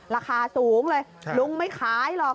ราคาสูงเลยลุงไม่ขายหรอก